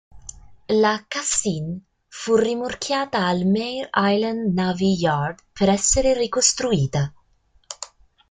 La "Cassin" fu rimorchiata al Mare Island Navy Yard per essere ricostruita.